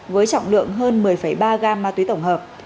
với trọng lượng hơn một đồng